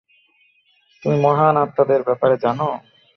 তুমি মহান আত্মাদের ব্যাপারে জানো?